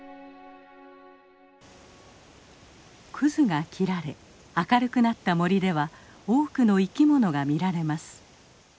クズが切られ明るくなった森では多くの生き物が見られます。